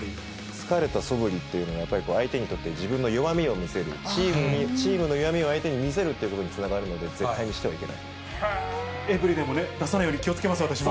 疲れた素振りっていうのは、やっぱり相手にとって自分の弱みを見せる、チームの弱みを相手に見せるっていうことにつながるので、絶対にエブリィでもね、出さないように気をつけます、私も。